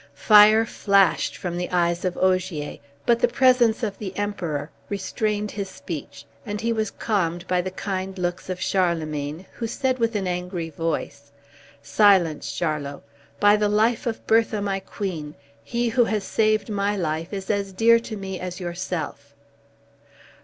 Fire flashed from the eyes of Ogier, but the presence of the Emperor restrained his speech, and he was calmed by the kind looks of Charlemagne, who said, with an angry voice, "Silence, Charlot! By the life of Bertha, my queen, he who has saved my life is as dear to me as yourself.